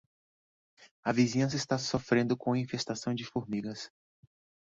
A vizinhança está sofrendo com uma infestação de formigas